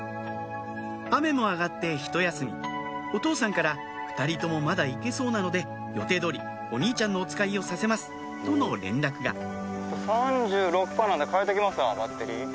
雨も上がってひと休みお父さんから「２人ともまだ行けそうなので予定通りお兄ちゃんのおつかいをさせます」との連絡が３６％なんで換えときますわバッテリー。